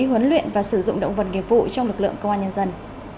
huấn luyện và sử dụng động vật nghiệp vụ trong lực lượng công an nhân dân